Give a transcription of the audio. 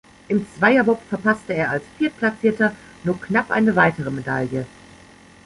Im Zweierbob verpasste er als Viertplatzierter nur knapp eine weitere Medaille.